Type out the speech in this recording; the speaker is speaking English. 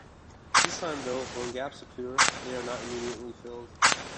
This time though, when gaps occur, they are not immediately filled.